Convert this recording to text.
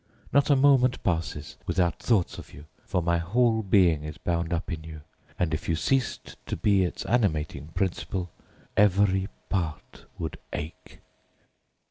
Not a moment passes without thoughts of you, for my whole being is bound up in you, and if you ceased to be its animating principle, every part would ache.